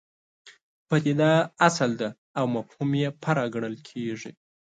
پدیده اصل ده او مفهوم یې فرع ګڼل کېږي.